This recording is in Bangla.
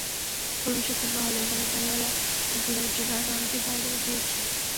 পরিবেশক কিংবা হলের মালিক—গাড়িওয়ালা মুক্তি দেওয়ার জন্য আমি অনেকের দ্বারে দ্বারে ঘুরেছি।